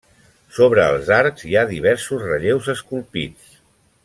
Sobre els arcs hi ha diversos relleus esculpits.